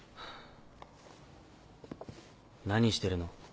何してるの？